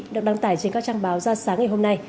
được đăng tải trên các trang báo ra sáng ngày hôm nay